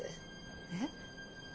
えっ？